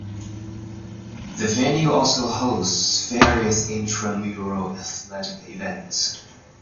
The venue also hosts various intramural athletic events.